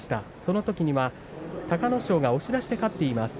このときには隆の勝が押し出しで勝っています。